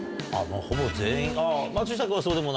ほぼ全員。